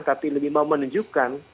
tapi lebih mau menunjukkan